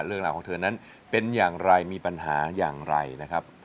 เรื่องราวของเธอนั้นเป็นอย่างไรมีปัญหาอย่างไรนะครับ